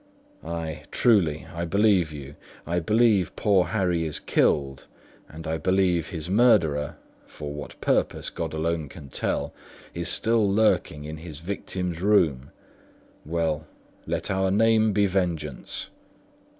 Ay truly, I believe you; I believe poor Harry is killed; and I believe his murderer (for what purpose, God alone can tell) is still lurking in his victim's room. Well, let our name be vengeance.